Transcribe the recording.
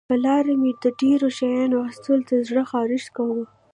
پر لاره مې د ډېرو شیانو اخیستلو ته زړه خارښت کاوه.